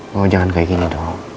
mau jangan kayak gini dong